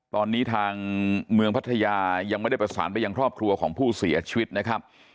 ตอนนี้ทางเมืองพัทยายังไม่ได้ประสานไปยังครอบครัวของผู้เสียชีวิตนะครับ